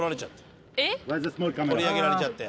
取り上げられちゃって。